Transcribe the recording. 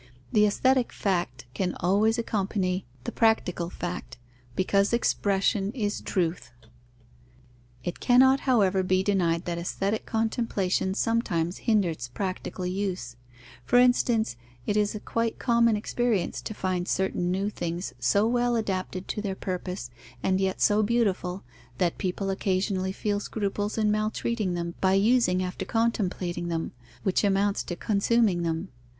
The aesthetic fact can always accompany the practical fact, because expression is truth. It cannot, however, be denied that aesthetic contemplation sometimes hinders practical use. For instance, it is a quite common experience to find certain new things so well adapted to their purpose, and yet so beautiful, that people occasionally feel scruples in maltreating them by using after contemplating them, which amounts to consuming them.